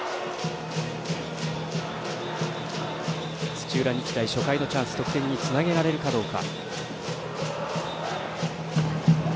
土浦日大初回のチャンスを得点につなげられるかどうか。